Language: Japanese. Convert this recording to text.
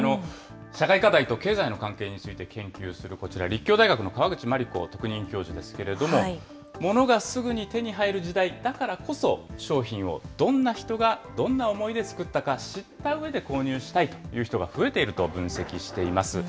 社会課題と経済の関係について研究するこちら、立教大学の河口眞理子特任教授ですけれども、モノがすぐに手に入る時代だからこそ、商品をどんな人がどんな思いで作ったか知ったうえで購入したいという人が増えていると分析しています。